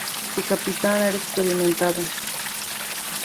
Su capitán era experimentado.